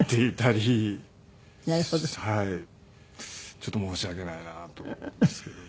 ちょっと申し訳ないなと思うんですけどね。